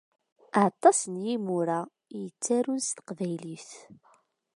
Aṭas n yimura i yettarun s Teqbaylit.